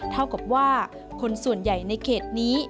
เท่ากับว่าคนส่วนใหญ่ในเขตนี้